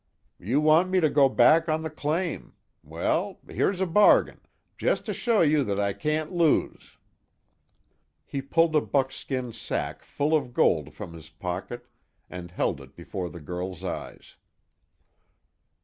You want me to go back on the claim well, here's a bargain just to show you that I can't lose." He pulled a buckskin sack full of gold from his pocket and held it before the girl's eyes.